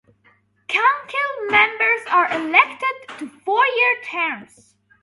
Council members are elected to four-year terms.